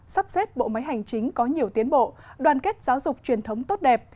sắp xếp bộ máy hành chính có nhiều tiến bộ đoàn kết giáo dục truyền thống tốt đẹp